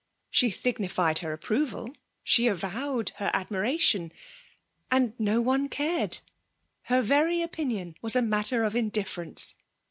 She signified her ap proval,— she avowed her admiration ;— and no one cared :— ^her very opinion was a matter of indifference!